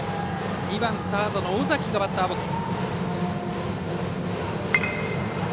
２番、サードの尾崎がバッターボックス。